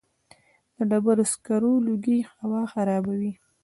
د ډبرو سکرو لوګی هوا خرابوي؟